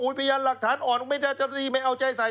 อุ๊ยพยานหลักฐานอ่อนไม่ได้จะดีไม่เอาใจใส่